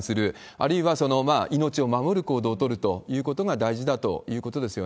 あるいは命を守る行動を取るということが大事だということですよ